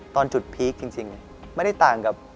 ตอนจุดพีคจริงไม่ได้ต่างกับ